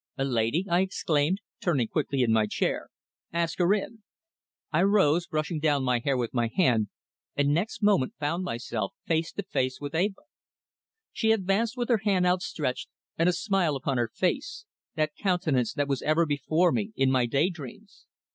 "A lady?" I exclaimed, turning quickly in my chair. "Ask her in." I rose, brushing down my hair with my hand, and next moment found myself face to face with Eva. She advanced with her hand outstretched and a smile upon her face, that countenance that was ever before me in my day dreams.